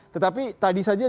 tetapi tadi saja jakarta